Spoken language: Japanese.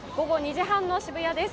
午後２時半の渋谷です。